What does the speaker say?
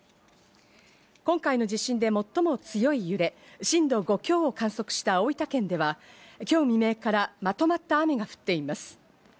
今回の地震で最も強い揺れ、震度５強を観測した大分県では、今日未明から、まとまった雨が降っています。